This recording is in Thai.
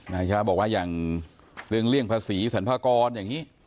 นายชนะบอกว่าอย่างเรื่องเลี่ยงภาษีสรรพากรอย่างนี้